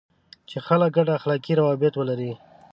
چې خلک ګډ اخلاقي روابط ولري.